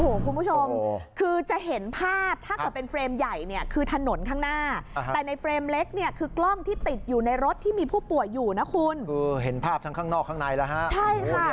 คือคุณผู้ชมจะเห็นภาพเท่าการเป็นเฟรมใหญ่เนี่ยคือถนนข้างหน้าแต่ในเฟรมเล็กเนี่ยคือกล้องที่ติดอยู่ในรถที่มีผู้ป่วยอยู่นะคุณคือเห็นภาพเงามั้งนอกข้างในละหา